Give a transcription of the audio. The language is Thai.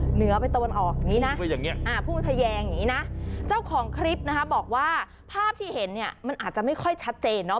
เหนือไปตะวันออกอย่างนี้นะพูดทะแยงอย่างนี้นะเจ้าของคลิปนะคะบอกว่าภาพที่เห็นเนี่ยมันอาจจะไม่ค่อยชัดเจนเนาะ